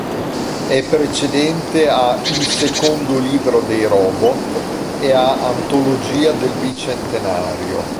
È precedente a "Il secondo libro dei robot" e a "Antologia del bicentenario".